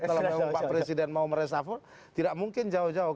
kalau memang pak presiden mau meresafel tidak mungkin jauh jauh